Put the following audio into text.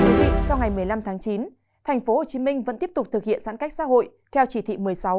các quý vị sau ngày một mươi năm tháng chín tp hcm vẫn tiếp tục thực hiện giãn cách xã hội theo chỉ thị một mươi sáu